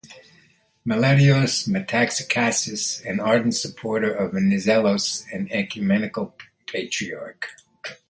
Meletios Metaxakis, an ardent supporter of Venizelos, as ecumenical patriarch.